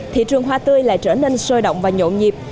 thị trường hoa tươi lại trở nên sôi động và nhộn nhịp